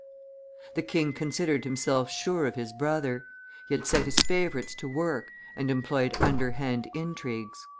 The king considered himself sure of his brother; he had set his favorites to work, and employed underhand intrigues.